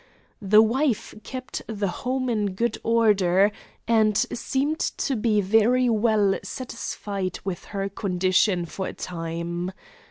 The wife kept the home in good order, and seemed to be very well satisfied with her condition for a time.